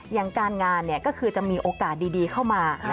อย่างการงานก็คือจะมีโอกาสดีเข้ามา